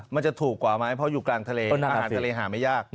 มันจะถูกกว่าไหมเพราะอยู่กลางทะเลอาหารทะเลหาไม่ยาก